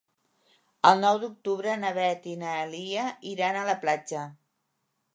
El nou d'octubre na Beth i na Lia iran a la platja.